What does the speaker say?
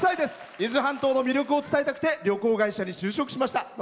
伊豆半島の魅力を伝えたくて旅行会社に就職しました。